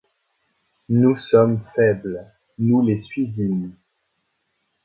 Nous sommes faible ; nous les suivîmes.